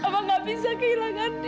mama gak bisa kehilangan dia